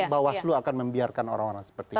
bahwa panwaslu akan membiarkan orang orang seperti ini